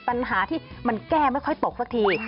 ปัญหาที่มันแก้ไม่ค่อยตกสักที